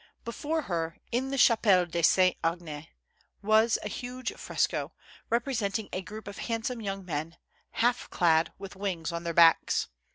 Before her, in the Chapelle des Saints Anges was a huge fresco, representing a group of handsome young men, half clad, with wings on their backs.